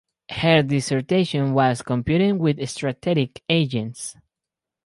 Her dissertation was "Computing with Strategic Agents".